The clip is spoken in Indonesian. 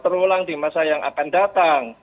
terulang di masa yang akan datang